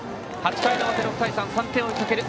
８回の表、６対３と３点を追いかける